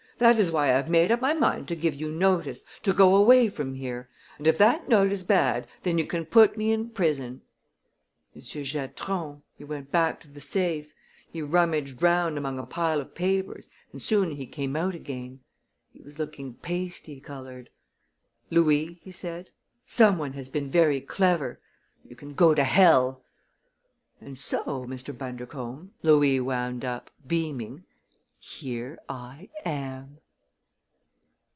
That is why I have made up my mind to give you notice, to go away from here. And if that note is bad then you can put me in prison.' "Monsieur Giatron he went back to the safe. He rummaged round among a pile of papers and soon he came out again. He was looking pasty colored. 'Louis,' he said, 'some one has been very clever! You can go to hell!' And so, Mr. Bundercombe," Louis wound up, beaming, "here I am!"